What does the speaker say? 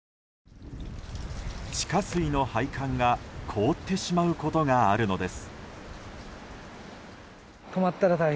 地下水の配管が凍ってしまうことがあるのです。